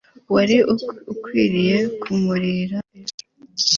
wari ukwiye kumuririra ejo